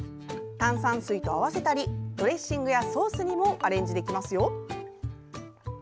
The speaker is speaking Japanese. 炭酸水と合わせたりドレッシングやソースにもアレンジできますよ。